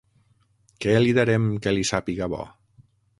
Què li darem que li sàpiga bo?